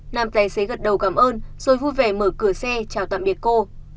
nam tài xế gật đầu cảm ơn rồi vui vẻ mở cửa xe chào tạm biệt cô